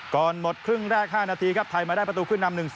ก่อนหมดครึ่งแรก๕นาทีครับไทยมาได้ประตูขึ้นนำ๑๒